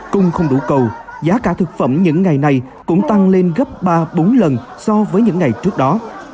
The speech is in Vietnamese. cung không đủ cầu giá cả thực phẩm những ngày này cũng tăng lên gấp ba bốn lần so với những ngày trước đó